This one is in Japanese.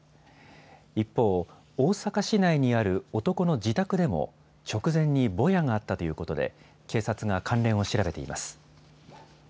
一方、大阪市内にある男の自宅でも、直前にぼやがあったということで、警察が関連を調べています。